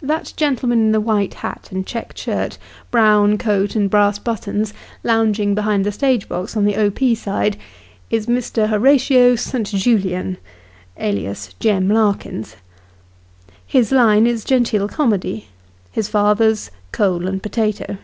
That gentleman in the white hat and checked shirt, brown coat and brass buttons, lounging behind the stage box on the O. P. side, is Mr. Horatio St. Julien, alias Jem Larkins. His line is genteel comedy his father's, coal and potato.